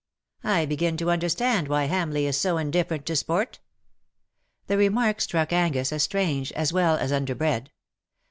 I begin to understand why Hamleigh is so indifferent to sport.^^ The remark struck ABgus as strange, as well as underbred.